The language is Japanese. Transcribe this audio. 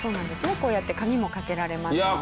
こうやって鍵もかけられますので。